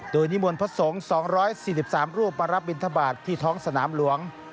โดยนิมนต์พระสงฆ์๒๔๓รูปมารับบินทบาทที่ท้องสนามหลวง